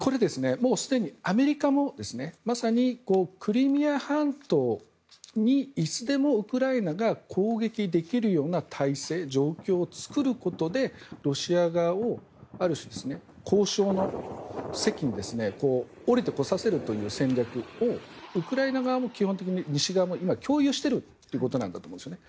もうすでにアメリカもまさにクリミア半島にいつでもウクライナが攻撃できるような態勢、状況を作ることでロシア側をある種、交渉の席に降りてこさせるという戦略をウクライナ側も基本的に西側も今、共有しているということだと思うんですね。